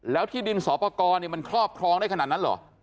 แล้วที่ดินสอปกรมันครอบครองได้ขนาดนั้นเหรอ